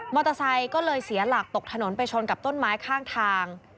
ไซค์ก็เลยเสียหลักตกถนนไปชนกับต้นไม้ข้างทาง